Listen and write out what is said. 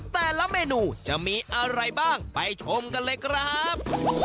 แต่ละเมนูจะมีอะไรบ้างไปชมกันเลยครับ